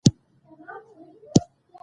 د زاړه سره ښه مه کړه چې مړ به شي.